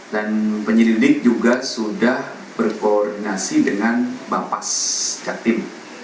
dan penyelidik juga sudah berkoordinasi dengan bapak ketim